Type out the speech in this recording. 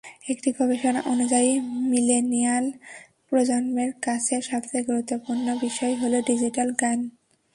একটি গবেষণা অনুযায়ী, মিলেনিয়াল প্রজন্মের কাছে সবচেয়ে গুরুত্বপূর্ণ বিষয় হলো ডিজিটাল জ্ঞান।